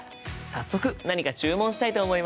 早速何か注文したいと思います！